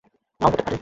নাও হতে পারে।